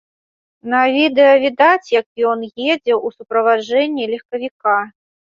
На відэа відаць, як ён едзе ў суправаджэнні легкавіка.